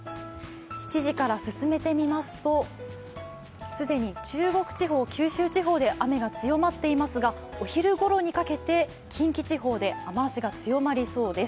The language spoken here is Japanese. ７時から進めてみますと、既に中国地方、九州地方で雨が強まっていますが、お昼ごろにかけて近畿地方で雨足が強まりそうです。